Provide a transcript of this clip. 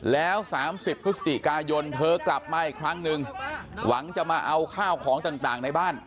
แล้ว๓๐พฤศจิกายนเธอกลับมาอีกครั้งหนึ่งหวังจะมาเอาข้าวของต่างในบ้าน